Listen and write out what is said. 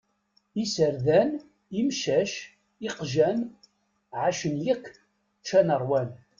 Iserdan, imcac, iqjan, εacen yakk, ččan ṛwan.